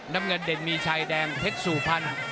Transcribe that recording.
น้ำเงินเด่นมีชัยแดงเทรดสุภัณฑ์